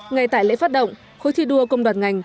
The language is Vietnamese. ngay tại lễ phát động khối thi đua công đoàn ngành